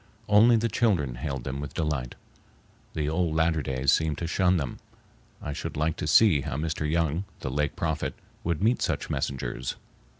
Only the children hailed them with delight. The old Latter Days seemed to shun them. I should like to see how Mr. Young, the Lake Prophet, would meet such messengers.